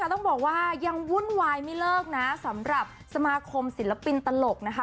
แต่ต้องบอกว่ายังวุ่นวายไม่เลิกนะสำหรับสมาคมศิลปินตลกนะคะ